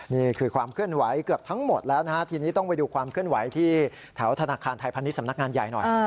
นี่คือความเคลื่อนไหวเกือบทั้งหมดแล้วนะฮะ